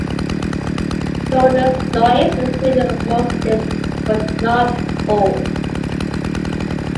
"Bonus Noise" is included on most discs, but not all.